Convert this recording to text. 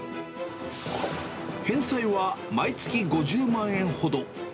返済は毎月５０万円ほど。